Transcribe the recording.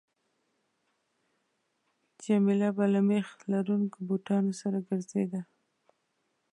جميله به له میخ لرونکو بوټانو سره ګرځېده.